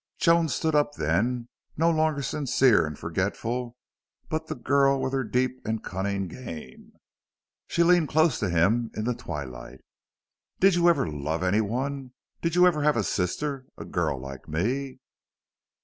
Joan stood up then, no longer sincere and forgetful, but the girl with her deep and cunning game. She leaned close to him in the twilight. "Did you ever love any one? Did you ever have a sister a girl like me?"